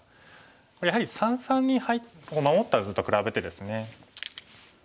これやはり三々に守った図と比べてですね。